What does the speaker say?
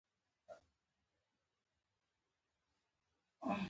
زیات د بیر کمپنۍ په ارزښت پر هاینکن وپلوره.